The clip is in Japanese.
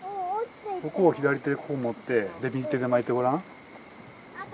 ここを左手でここ持って右手で巻いてごらん。